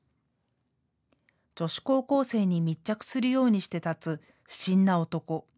女子高校生に密着するようにして立つ不審な男。